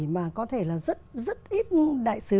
mà có thể là rất ít đại sứ